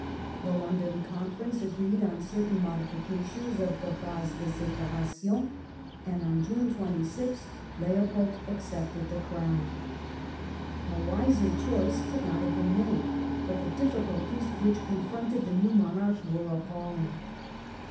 The London Conference agreed on certain modifications of the bases de separation, and on June 26th Leopold accepted the Crown. A wiser choice could not have been made ; but the difficulties which confronted the new monarch were appalling.